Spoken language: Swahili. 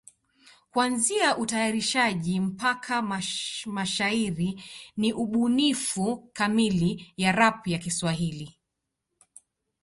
Kuanzia utayarishaji mpaka mashairi ni ubunifu kamili ya rap ya Kiswahili.